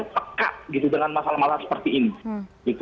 pekak dengan masalah masalah seperti ini